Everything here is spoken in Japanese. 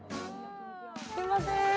すいません。